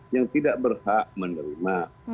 yang tidak berhak menerima